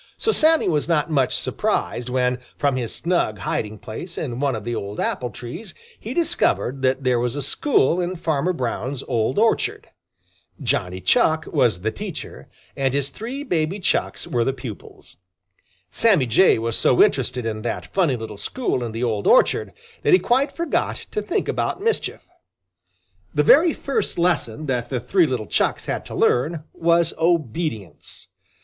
So Sammy was not much surprised when, from his snug hiding place in one of the old apple trees, he discovered that there was a school in Farmer Brown's old orchard. Johnny Chuck was the teacher and his three baby Chucks were the pupils. Sammy Jay was so interested in that funny little school in the old orchard that he quite forgot to think about mischief. The very first lesson that the three little Chucks had to learn was obedience.